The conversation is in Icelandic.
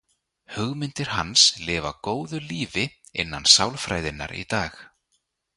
Hugmyndir hans lifa góðu lífi innan sálfræðinnar í dag.